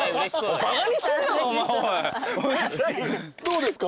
どうですか？